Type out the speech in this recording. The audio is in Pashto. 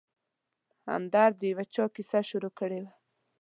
همدرد د یو چا کیسه شروع کړې وه.